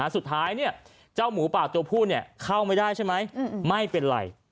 เจ้าหมูป่าตัวผู้เข้าไม่ได้ใช่ไหมไม่เป็นไร